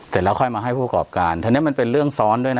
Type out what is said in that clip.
เสร็จแล้วค่อยมาให้ผู้ประกอบการทีนี้มันเป็นเรื่องซ้อนด้วยนะ